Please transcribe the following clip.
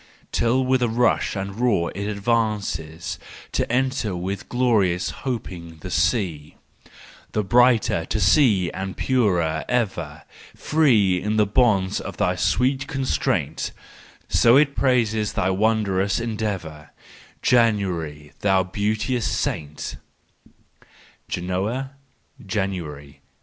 Till with a rush and a roar it advances To enter with glorious hoping the sea: Brighter to see and purer ever, Free in the bonds of thy sweet constraint,— So it praises thy wondrous en¬ deavour, January, thou beauteous saint 1 Genoa, January 1882.